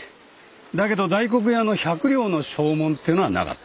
だけど大黒屋の百両の証文というのはなかった。